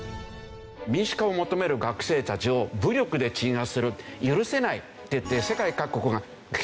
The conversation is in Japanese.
民主化を求める学生たちを武力で鎮圧する許せないっていって世界各国が経済制裁するんですね